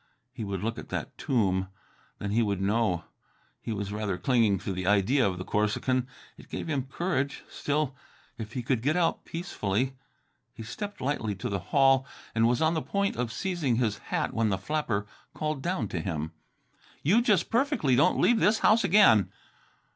He would look at that tomb. Then he would know. He was rather clinging to the idea of the Corsican. It gave him courage. Still, if he could get out peacefully ... He stepped lightly to the hall and was on the point of seizing his hat when the flapper called down to him. "You just perfectly don't leave this house again!"